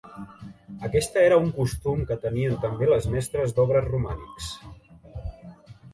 Aquesta era un costum que tenien també els mestres d'obres romànics.